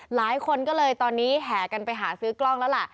หลายคนก็เลยตอนนี้แห่กันไปหาซื้อกล้องแล้วล่ะ